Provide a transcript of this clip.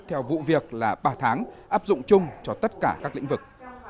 theo vụ việc là ba tháng áp dụng chung cho tất cả các lĩnh vực